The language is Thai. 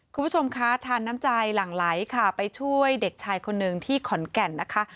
คุณผู้ชมคะทานน้ำใจหลั่งไหลค่ะไปช่วยเด็กชายคนหนึ่งที่ขอนแก่นนะคะ